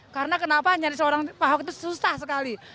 karena kenapa nyari seorang pak awok itu susah sekali